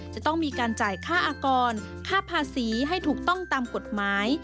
จะต้องมีการจ่ายค่าอากรค่าภาษีให้ถูกต้องตามกฎหมาย